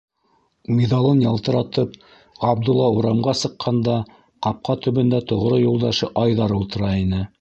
Миҙалын ялтыратып Ғабдулла урамға сыҡҡанда, ҡапҡа төбөндә тоғро юлдашы Айҙар ултыра ине.